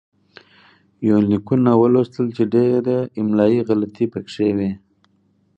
يونليکونه ولوستل چې ډېره املايي غلطي پکې وې